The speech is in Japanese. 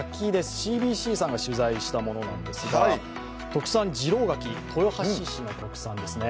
ＣＢＣさんが取材したものなんですが次郎柿、豊橋市の特産ですね。